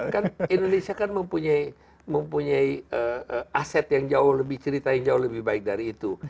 kan indonesia kan mempunyai aset yang jauh lebih cerita yang jauh lebih baik dari itu